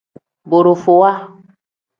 Borofowa.